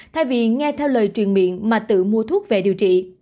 thay vì nghe theo lời truyền miệng mà tự mua thuốc về điều trị